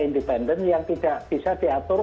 independen yang tidak bisa diatur